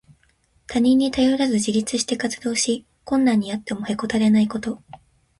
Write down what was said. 他人に頼らず自立して活動し、困難にあってもへこたれないこと。